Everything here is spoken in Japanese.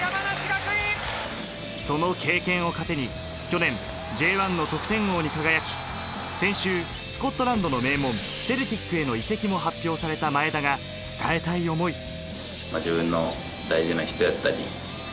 その経験を糧に去年、Ｊ１の得点王に輝き、先週、スコットランドの名門・セルティックへの移籍も発表された前田が伝えたい思い。